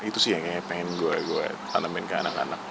itu sih yang kayaknya pengen gue tanamin ke anak anak